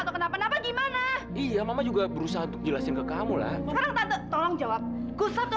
kenapa kenapa gimana iya mama juga berusaha untuk jelasin ke kamu lah tolong jawab kusatu